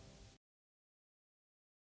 pertanyaan ter forbes berbicara rolled on gelat